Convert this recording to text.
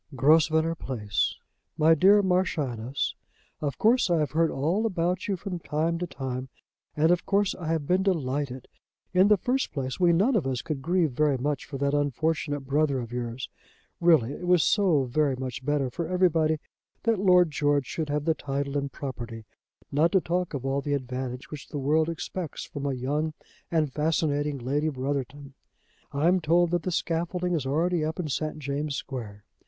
"GROSVENOR PLACE. "MY DEAR MARCHIONESS, Of course I have heard all about you from time to time, and of course I have been delighted. In the first place, we none of us could grieve very much for that unfortunate brother of yours. Really it was so very much better for everybody that Lord George should have the title and property, not to talk of all the advantage which the world expects from a young and fascinating Lady Brotherton. I am told that the scaffolding is already up in St. James' Square.